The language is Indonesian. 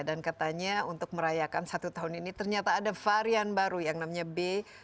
dan katanya untuk merayakan satu tahun ini ternyata ada varian baru yang namanya b satu satu tujuh